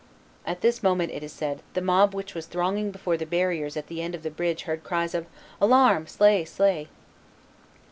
At this moment, it is said, the mob which was thronging before the barriers at the end of the bridge heard cries of "Alarm! slay, slay."